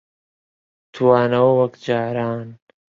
توانەوە وەک جاران